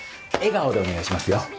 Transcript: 笑顔でお願いしますよ。